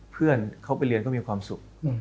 เพื่อนเขาไปเรียนก็มีความสุข